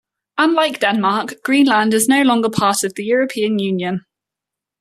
Unlike Denmark, Greenland is no longer part of the European Union.